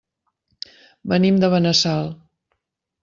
Venim de Benassal.